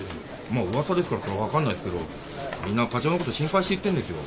まあ噂ですからそれは分かんないすけどみんな課長のこと心配して言ってんですよ。